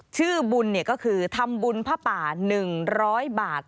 ชื่อบุญก็คือทำบุญผ้าป่า๑๐๐บาท